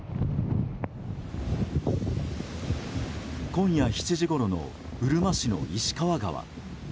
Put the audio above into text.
今夜７時ごろのうるま市の石川川。